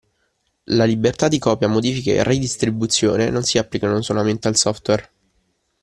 La libertà di copia, modifica e ridistribuzione non si applicano solamente al software.